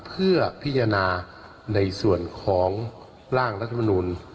เพื่อพิจารณาในส่วนของร่างรัฐมนุน